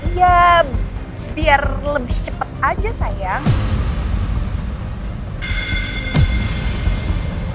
iya biar lebih cepet aja sayang